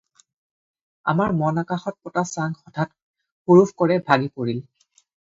আমাৰ মন-আকাশত পতা চাং হঠাৎ হুৰুফ্ কৰে ভাগি পৰিল।